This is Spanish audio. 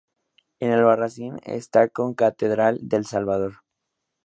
En Albarracín está la concatedral del Salvador.